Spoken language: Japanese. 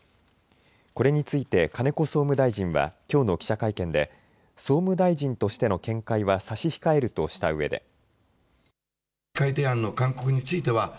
これについて金子総務大臣はきょうの記者会見で総務大臣としての見解は差し控えるとしたうえで。